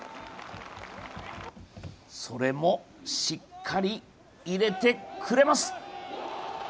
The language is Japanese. それもしっかり入れてくれます。